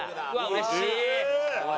うれしい！